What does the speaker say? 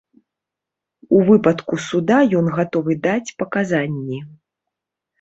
У выпадку суда ён гатовы даць паказанні.